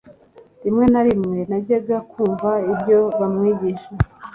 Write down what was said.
rimwe na rimwe najyaga kumva ibyo bamwigisha